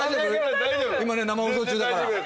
今ね生放送中だから大丈夫